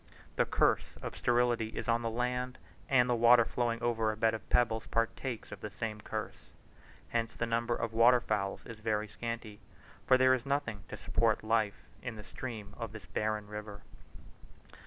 The curse of sterility is on the land, and the water flowing over a bed of pebbles partakes of the same curse. Hence the number of water fowls is very scanty; for there is nothing to support life in the stream of this barren river.